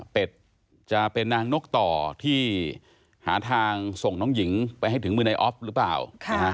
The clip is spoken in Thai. จะเป็นนางนกต่อที่หาทางส่งน้องหญิงไปให้ถึงมือในออฟหรือเปล่า